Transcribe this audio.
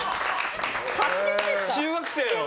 中学生の？